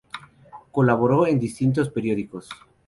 Colaboró en distintos periódicos.